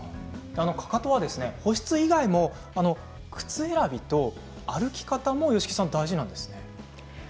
かかとは保湿以外にも靴選びと歩き方も大事なんですね。